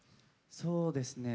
そうですね